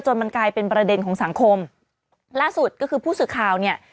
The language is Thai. มันกลายเป็นประเด็นของสังคมล่าสุดก็คือผู้สื่อข่าวเนี่ย